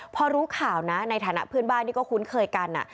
พอรู้ข่าวนะในฐานะเพื่อนบ้านที่ก็คุ้นเคยกัน